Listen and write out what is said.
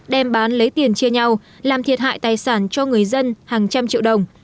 đem bán lấy tiền chia nhau làm thiệt hại tài sản cho người dân hàng trăm triệu đồng